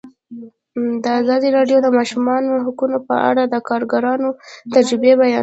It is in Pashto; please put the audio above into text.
ازادي راډیو د د ماشومانو حقونه په اړه د کارګرانو تجربې بیان کړي.